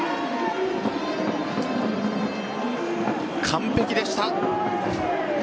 完璧でした。